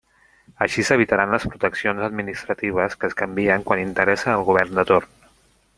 Així s'evitaran les proteccions administratives que es canvien quan interessa al govern de torn.